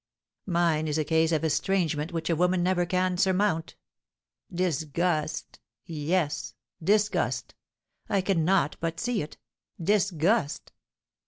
Mine is a case of estrangement which a woman never can surmount. Disgust, yes, disgust, I cannot but see it, disgust!